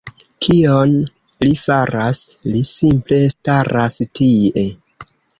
Kion li faras? Li simple staras tie!